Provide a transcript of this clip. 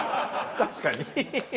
確かに。